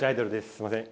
すいません